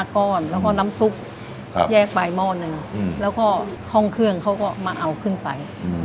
ก้อนแล้วก็น้ำซุปแยกไปหม้อหนึ่งแล้วก็ห้องเครื่องเขาก็มาเอาขึ้นไป